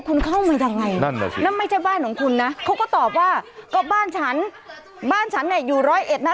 คุณเข้ามายังไงนั่นไม่ใช่บ้านของคุณนะเขาก็ตอบว่าบ้านฉันอยู่ร้อยเอ็ดนะ